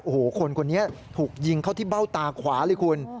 โอ้โหคนคนนี้ถูกยิงเข้าที่เบ้าตาขวาเลยคุณ